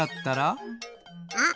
あっ！